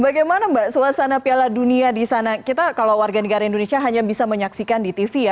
bagaimana mbak suasana piala dunia di sana kita kalau warga negara indonesia hanya bisa menyaksikan di tv ya